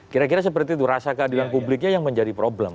kira kira seperti itu rasa keadilan publiknya yang menjadi problem